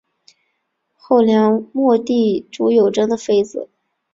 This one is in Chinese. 后梁末帝朱友贞的妃子。